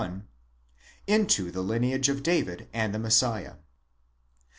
31) into the lineage of David and the Messiah.